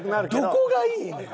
どこがいいねん！